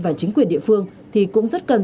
và chính quyền địa phương thì cũng rất cần